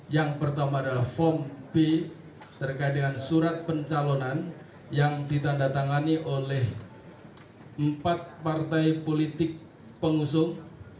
yang pertama adalah form b terkait dengan surat pencalonan yang ditandatangani oleh empat partai politik pengusung